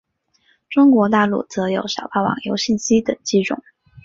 中国大陆则有小霸王游戏机等机种。